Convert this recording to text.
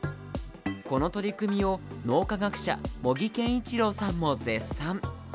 この取り組みを脳科学者・茂木健一郎さんも絶賛。